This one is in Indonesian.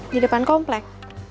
di depan komplek